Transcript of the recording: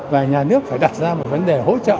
và nhà nước phải đặt ra một vấn đề hỗ trợ